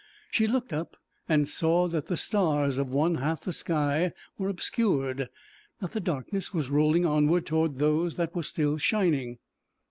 She looked up and saw that the stars of one half the sky were obscured, that the darkness was rolling onward toward those that were still shining.